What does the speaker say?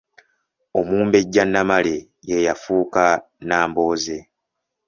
Omumbejja Namale ye yafuuka Nnambooze.